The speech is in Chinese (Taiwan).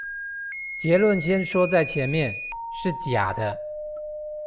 結論先說在前面：是假的